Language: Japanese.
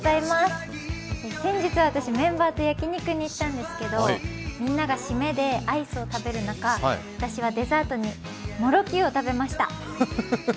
先日、私、メンバーと焼き肉に行ったんですけどみんなが締めでアイスを食べる中、私はデザートにもろきゅうを食べました。